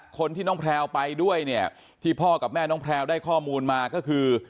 คนที่น้องแพลวไปด้วยเนี่ยที่พ่อกับแม่น้องแพลวได้ข้อมูลมาก็คือ